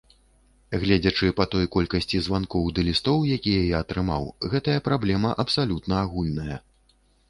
Гледзячы па той колькасці званкоў ды лістоў, якія я атрымаў, гэтая праблема абсалютна агульная.